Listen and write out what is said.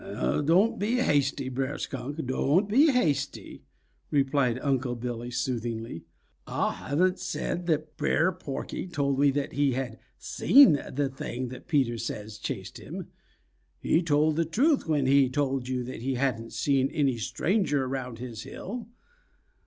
"Don' be hasty, Brer Skunk. Don' be hasty," replied Unc' Billy soothingly. "Ah haven't said that Brer Porky told me that he had seen the thing that Peter says chased him. He told the truth when he told you that he hadn't seen any stranger around his hill.